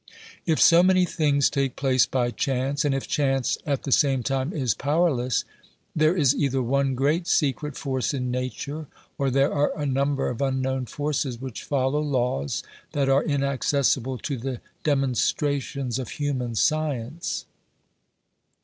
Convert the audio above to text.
If so many things take place by chance, and if chance at the same time is powerless, there is either one great secret force in Nature, or there are a number of unknown forces which follow laws that are inaccessible to the demonstra tions of human science.